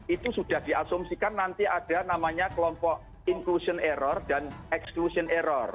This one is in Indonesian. itu sudah diasumsikan nanti ada namanya kelompok inclusion error dan exclusion error